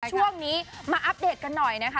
ช่วงนี้มาอัปเดตกันหน่อยนะคะ